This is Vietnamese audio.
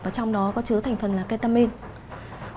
và trong đó có chứa thành phần là ketamine